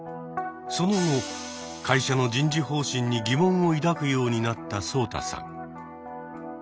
その後会社の人事方針に疑問を抱くようになったソウタさん。